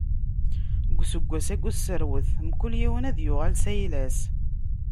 Deg useggas-agi n userwet, mkul yiwen ad yuɣal s ayla-s.